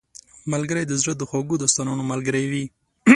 ملګری د زړه د خوږو داستانونو ملګری وي